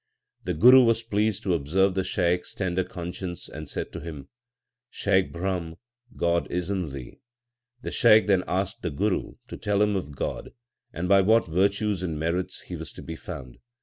The Guru was pleased to observe the Shaikh s tender conscience, and said to him : Shaikh Brahm, God is in thee. The Shaikh then asked the Guru to tell him of God, and by what virtues and merits He was to be found.